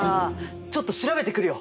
ちょっと調べてくるよ！